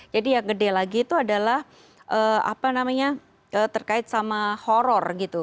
jadi yang gede lagi itu adalah apa namanya terkait sama horror gitu